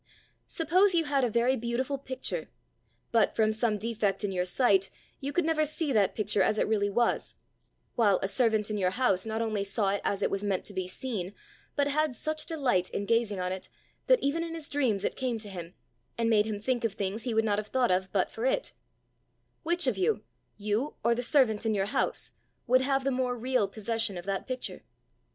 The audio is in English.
Suppose you had a very beautiful picture, but from some defect in your sight you could never see that picture as it really was, while a servant in your house not only saw it as it was meant to be seen, but had such delight in gazing on it, that even in his dreams it came to him, and made him think of things he would not have thought of but for it: which of you, you or the servant in your house, would have the more real possession of that picture?